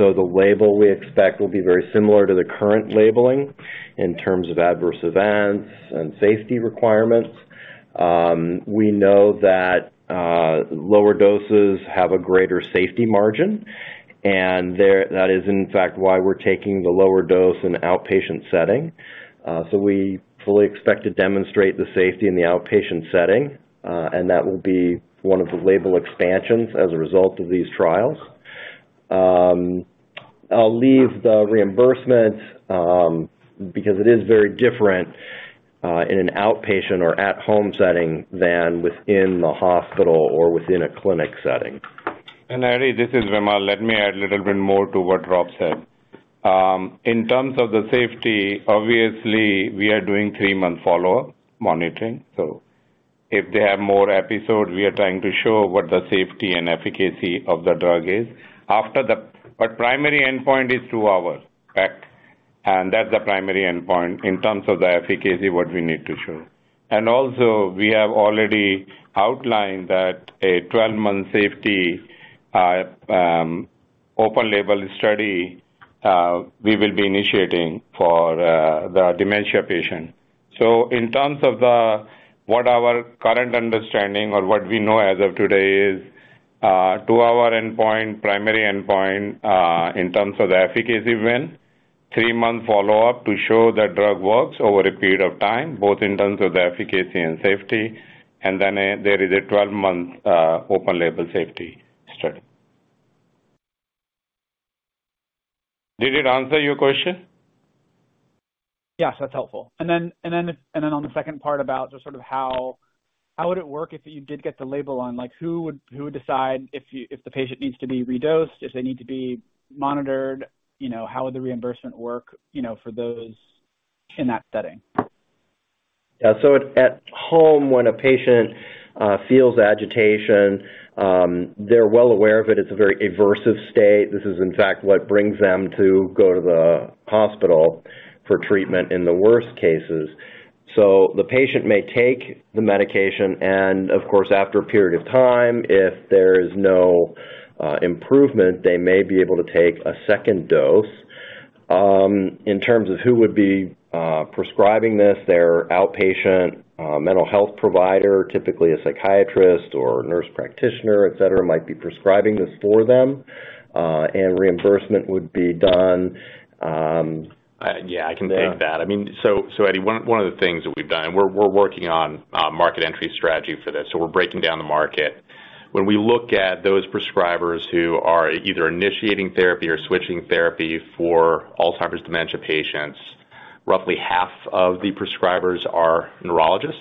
The label we expect will be very similar to the current labeling in terms of adverse events and safety requirements. We know that lower doses have a greater safety margin, and that is in fact why we're taking the lower dose in outpatient setting. We fully expect to demonstrate the safety in the outpatient setting, and that will be one of the label expansions as a result of these trials. I'll leave the reimbursement because it is very different in an outpatient or at home setting than within the hospital or within a clinic setting. Eddie, this is Vimal. Let me add a little bit more to what Rob said. In terms of the safety, obviously, we are doing three month follow-up monitoring. If they have more episodes, we are trying to show what the safety and efficacy of the drug is. After the... Primary endpoint is two hours, right? That's the primary endpoint in terms of the efficacy, what we need to show. Also, we have already outlined that a 12-month safety open-label study we will be initiating for the dementia patient. In terms of the... what our current understanding or what we know as of today is, two hour endpoint, primary endpoint, in terms of the efficacy win, three month follow-up to show the drug works over a period of time, both in terms of the efficacy and safety. There is a 12-month open-label safety study. Did it answer your question? Yes, that's helpful. On the second part about just sort of how would it work if you did get the label on, like, who would decide if the patient needs to be redosed, if they need to be monitored, you know, how would the reimbursement work, you know, for those in that setting? Yeah. At home, when a patient feels agitation, they're well aware of it. It's a very aversive state. This is in fact what brings them to go to the hospital for treatment in the worst cases. The patient may take the medication and of course, after a period of time, if there is no improvement, they may be able to take a second dose. In terms of who would be prescribing this, their outpatient mental health provider, typically a psychiatrist or nurse practitioner, et cetera, might be prescribing this for them. Reimbursement would be done. Yeah, I can take that. I mean, Eddie, one of the things that we've done, we're working on market entry strategy for this. We're breaking down the market. When we look at those prescribers who are either initiating therapy or switching therapy for Alzheimer's dementia patients, roughly half of the prescribers are neurologists.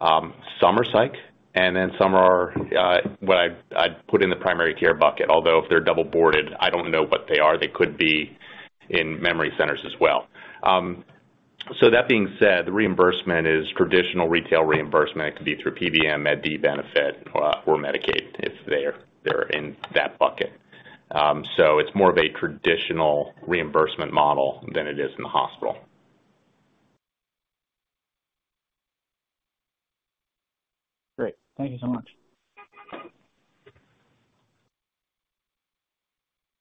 Some are psych, and some are what I'd put in the primary care bucket, although if they're double boarded, I don't know what they are. They could be in memory centers as well. That being said, the reimbursement is traditional retail reimbursement. It could be through PBM, Part D benefit, or Medicaid if they're in that bucket. It's more of a traditional reimbursement model than it is in the hospital. Great. Thank you so much.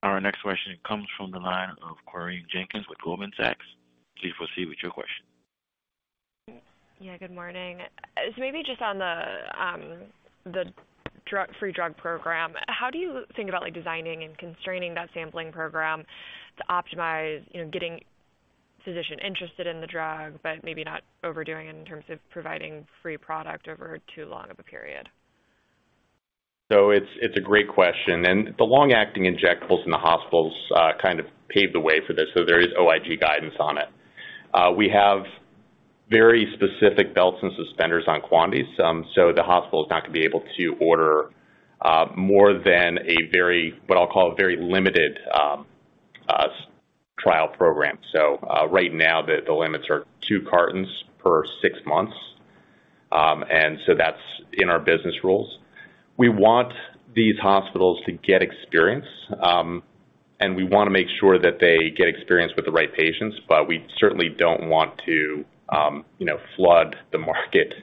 Our next question comes from the line of Corinne Jenkins with Goldman Sachs. Please proceed with your question. Yeah, good morning. Maybe just on the free drug program, how do you think about, like, designing and constraining that sampling program to optimize, you know, getting physician interested in the drug, but maybe not overdoing it in terms of providing free product over too long of a period? It's a great question. The long-acting injectables in the hospitals, kind of paved the way for this. There is OIG guidance on it. We have very specific belts and suspenders on quantities. The hospital is not gonna be able to order more than a very, what I'll call a very limited, trial program. Right now, the limits are two cartons per six months. That's in our business rules. We want these hospitals to get experience, and we wanna make sure that they get experience with the right patients, but we certainly don't want to, you know, flood the market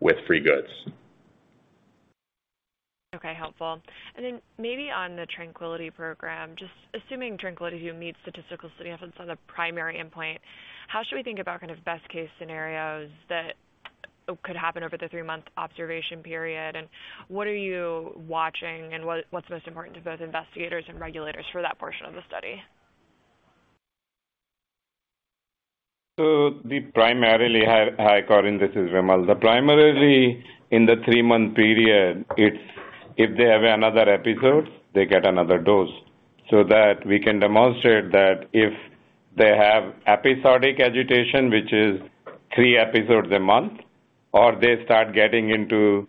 with free goods. Okay. Helpful. Then maybe on the TRANQUILITY program, just assuming TRANQUILITY, you meet statistical significance on the primary endpoint, how should we think about kind of best case scenarios that could happen over the three month observation period? What are you watching and what's most important to both investigators and regulators for that portion of the study? Hi, Corinne, this is Vimal. The primarily in the three month period, it's if they have another episode, they get another dose so that we can demonstrate that if they have episodic agitation, which is three episodes a month, or they start getting into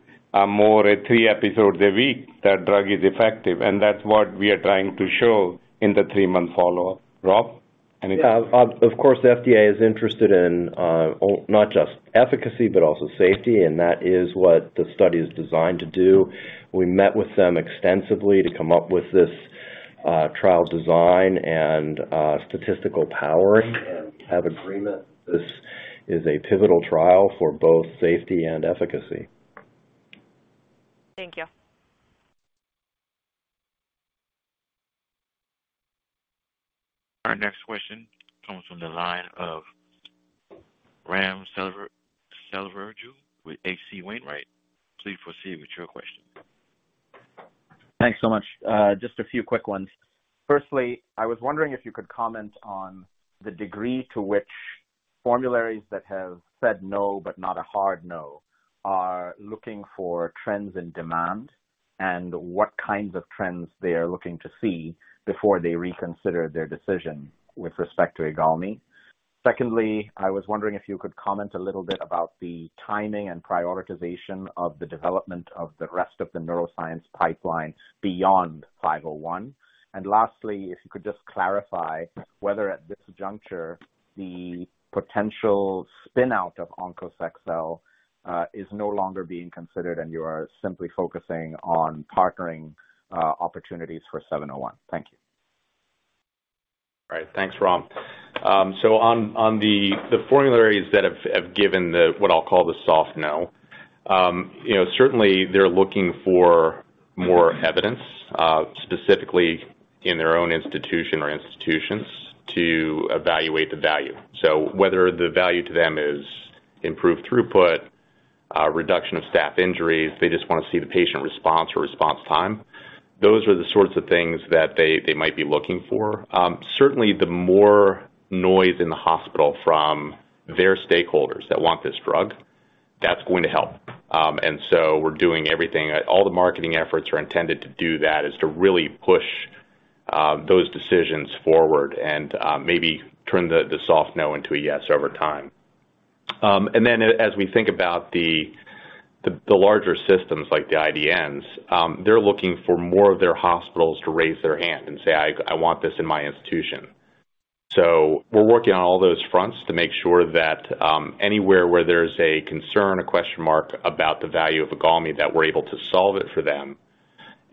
more three episodes a week, that drug is effective. That's what we are trying to show in the three month follow-up. Rob, anything. Yeah. Of course, FDA is interested in not just efficacy, but also safety. That is what the study is designed to do. We met with them extensively to come up with this trial design and statistical powering and have agreement. This is a pivotal trial for both safety and efficacy. Thank you. Our next question comes from the line of Ram Selvaraju with H.C. Wainwright. Please proceed with your question. Thanks so much. Just a few quick ones. Firstly, I was wondering if you could comment on the degree to which formularies that have said no, but not a hard no, are looking for trends in demand and what kinds of trends they are looking to see before they reconsider their decision with respect to IGALMI. Secondly, I was wondering if you could comment a little bit about the timing and prioritization of the development of the rest of the neuroscience pipeline beyond 501. Lastly, if you could just clarify whether at this juncture, the potential spin out of OnkosXcel is no longer being considered and you are simply focusing on partnering opportunities for 701. Thank you. All right. Thanks, Ram. On the formularies that have given the, what I'll call the soft no, you know, certainly they're looking for more evidence specifically in their own institution or institutions to evaluate the value. Whether the value to them is improved throughput, reduction of staff injuries, they just wanna see the patient response or response time. Those are the sorts of things that they might be looking for. Certainly the more noise in the hospital from their stakeholders that want this drug, that's going to help. We're doing everything. All the marketing efforts are intended to do that, is to really push those decisions forward and maybe turn the soft no into a yes over time. As we think about the larger systems like the IDNs, they're looking for more of their hospitals to raise their hand and say, "I want this in my institution." We're working on all those fronts to make sure that anywhere where there's a concern, a question mark about the value of IGALMI, that we're able to solve it for them.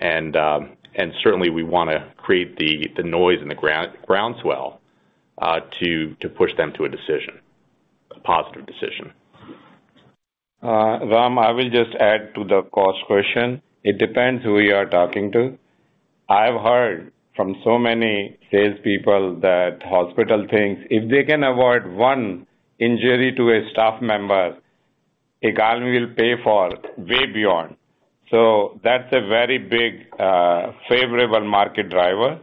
Certainly we wanna create the noise and the groundswell to push them to a decision, a positive decision. Ram, I will just add to the cost question. It depends who we are talking to. I've heard from so many salespeople that hospital thinks if they can avoid one injury to a staff member, IGALMI will pay for way beyond. That's a very big favorable market driver.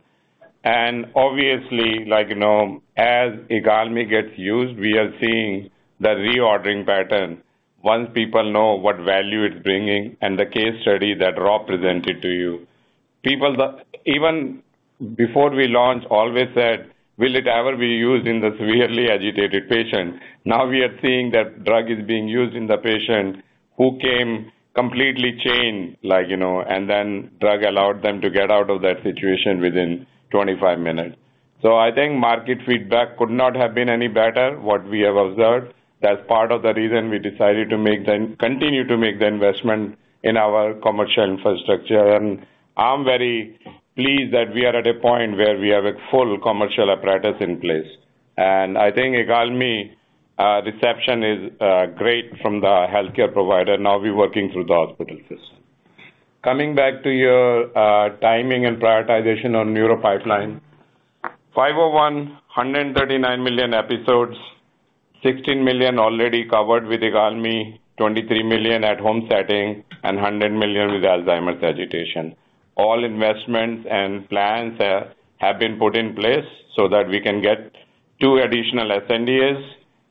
Obviously, like, you know, as IGALMI gets used, we are seeing the reordering pattern. Once people know what value it's bringing and the case study that Rob presented to you, people that even before we launch always said, "Will it ever be used in the severely agitated patient?" Now we are seeing that drug is being used in the patient who came completely chained, like, you know, and then drug allowed them to get out of that situation within 25 minutes. I think market feedback could not have been any better, what we have observed. That's part of the reason we decided to continue to make the investment in our commercial infrastructure. I'm very pleased that we are at a point where we have a full commercial apparatus in place. I think IGALMI reception is great from the healthcare provider. Now we're working through the hospital system. Coming back to your timing and prioritization on neuro pipeline. BXCL501, 139 million episodes, 16 million already covered with IGALMI, 23 million at home setting, and 100 million with Alzheimer's agitation. All investments and plans have been put in place so that we can get two additional sNDAs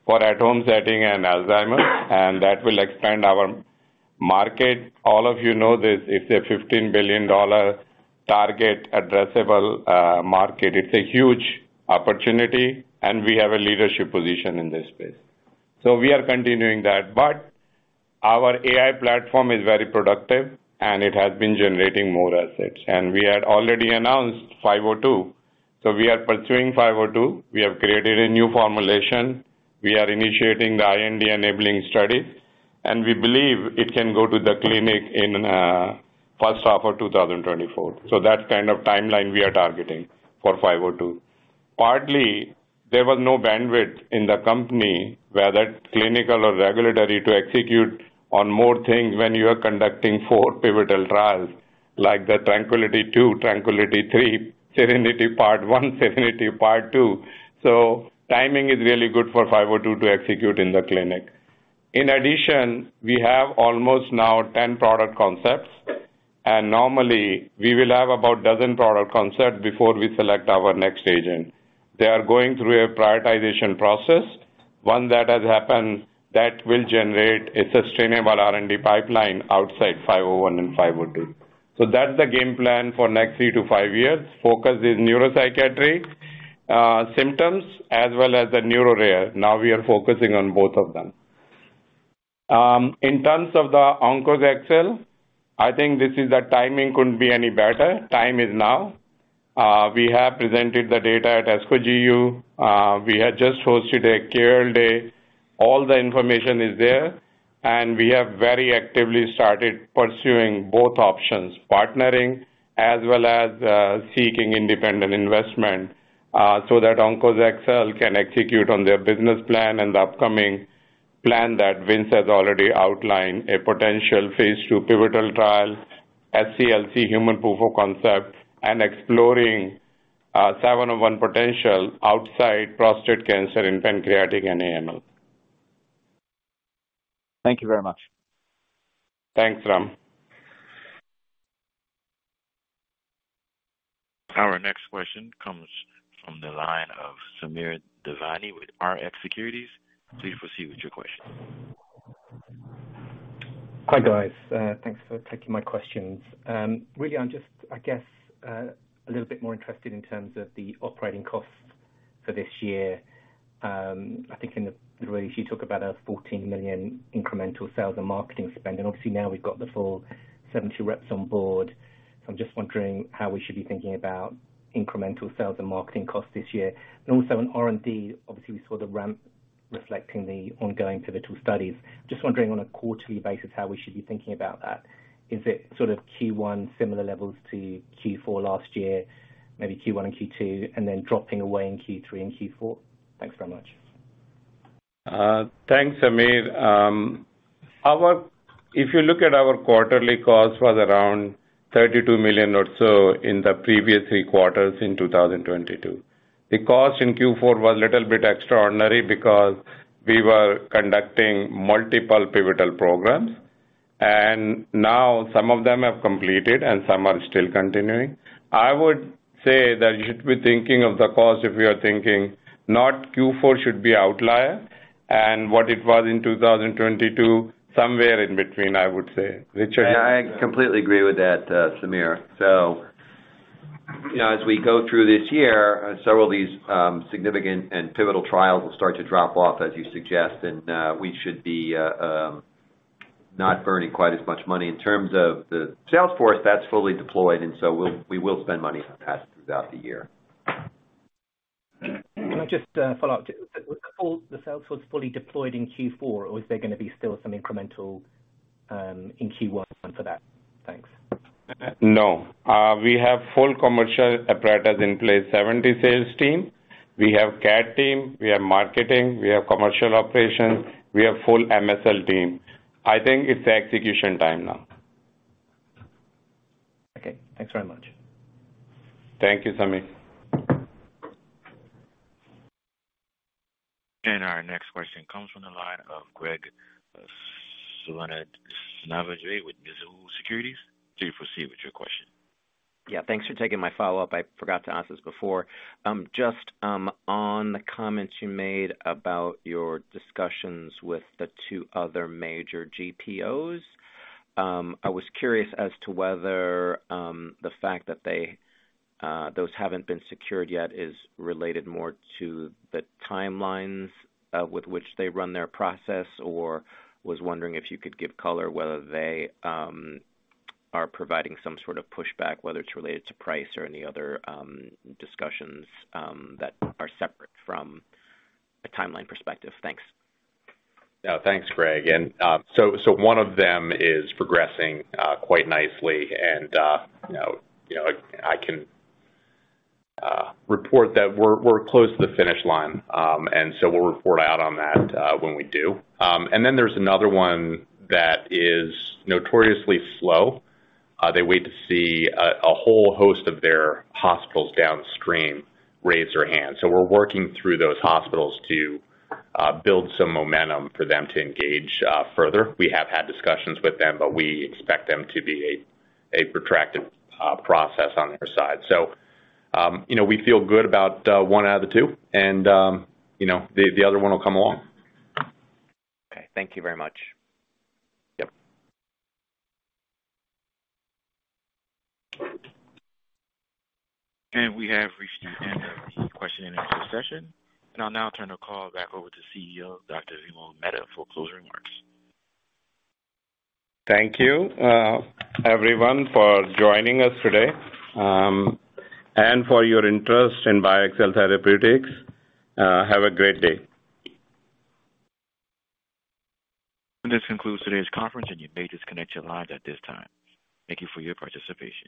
for at-home setting and Alzheimer's, and that will expand our market. All of you know this, it's a $15 billion target addressable market. It's a huge opportunity, and we have a leadership position in this space. We are continuing that, but our AI platform is very productive, and it has been generating more assets. We had already announced BXCL502, so we are pursuing BXCL502. We have created a new formulation. We are initiating the IND-enabling study, and we believe it can go to the clinic in the first half of 2024. That kind of timeline we are targeting for BXCL502. Partly, there was no bandwidth in the company, whether it's clinical or regulatory, to execute on more things when you are conducting four pivotal trials, like the TRANQUILITY II, TRANQUILITY III, SERENITY part one, SERENITY part two. Timing is really good for BXCL502 to execute in the clinic. In addition, we have almost now 10 product concepts, normally we will have about 12 product concept before we select our next agent. They are going through a prioritization process. Once that has happened, that will generate a sustainable R&D pipeline outside 501 and 502. That's the game plan for next three to five years. Focus is neuropsychiatric symptoms as well as the neuro rare. We are focusing on both of them. In terms of the OnkosXcel, I think this is the timing couldn't be any better. Time is now. We have presented the data at ASCO GU. We have just hosted a care day. All the information is there, and we have very actively started pursuing both options, partnering as well as seeking independent investment so that OnkosXcel can execute on their business plan and the upcoming plan that Vince has already outlined, a potential phase II pivotal trial, SCLC human proof of concept, and exploring 701 potential outside prostate cancer in pancreatic and AML. Thank you very much. Thanks, Ram. Our next question comes from the line of Samir Devani with Rx Securities. Please proceed with your question. Hi, guys. Thanks for taking my questions. Really I'm just, I guess, a little bit more interested in terms of the operating costs for this year. I think in the release you talk about a $14 million incremental sales and marketing spend. Obviously now we've got the full 70 reps on board. I'm just wondering how we should be thinking about incremental sales and marketing costs this year. Also on R&D, obviously we saw Reflecting the ongoing pivotal studies. I'm just wondering on a quarterly basis how we should be thinking about that. Is it sort of Q1 similar levels to Q4 last year, maybe Q1 and Q2, and then dropping away in Q3 and Q4? Thanks very much. Thanks, Samir. If you look at our quarterly costs was around $32 million or so in the previous three quarters in 2022. The cost in Q4 was a little bit extraordinary because we were conducting multiple pivotal programs, and now some of them have completed and some are still continuing. I would say that you should be thinking of the cost if you are thinking not Q4 should be outlier and what it was in 2022, somewhere in between, I would say. Richard? Yeah, I completely agree with that, Samir. You know, as we go through this year, several of these significant and pivotal trials will start to drop off, as you suggest. We should be not burning quite as much money. In terms of the sales force, that's fully deployed, we will spend money as we pass throughout the year. Can I just follow up? Were all the sales force fully deployed in Q4 or is there gonna be still some incremental in Q1 for that? Thanks. No. We have full commercial apparatus in place, 70 sales team. We have CAD team, we have marketing, we have commercial operations, we have full MSL team. I think it's execution time now. Okay, thanks very much. Thank you, Samir. Our next question comes from the line of Graig Suvannavejh with Mizuho Securities. Please proceed with your question. Yeah, thanks for taking my follow-up. I forgot to ask this before. Just on the comments you made about your discussions with the two other major GPOs, I was curious as to whether the fact that they those haven't been secured yet is related more to the timelines with which they run their process. Was wondering if you could give color whether they are providing some sort of pushback, whether it's related to price or any other discussions that are separate from a timeline perspective. Thanks. Yeah. Thanks, Greg. So one of them is progressing quite nicely. You know, I can report that we're close to the finish line. We'll report out on that when we do. Then there's another one that is notoriously slow. They wait to see a whole host of their hospitals downstream raise their hands. We're working through those hospitals to build some momentum for them to engage further. We have had discussions with them, but we expect them to be a protracted process on their side. You know, we feel good about one out of the two and, you know, the other one will come along. Okay, thank you very much. Yep. We have reached the end of the question and answer session. I'll now turn the call back over to CEO, Dr. Vimal Mehta, for closing remarks. Thank you, everyone, for joining us today, and for your interest in BioXcel Therapeutics. Have a great day. This concludes today's conference, and you may disconnect your lines at this time. Thank you for your participation.